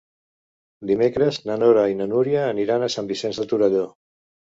Dimecres na Nora i na Núria aniran a Sant Vicenç de Torelló.